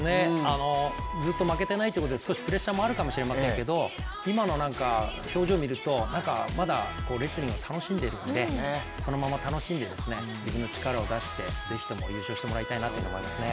ずっと負けてないっていうことでプレッシャーもあると思いますが、今の表情を見ると、まだレスリング楽しんでいるのでそのまま楽しんで、自分の力を出して是非とも優勝してもらいたいなと思いますね。